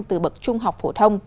từ bậc trung học phổ thông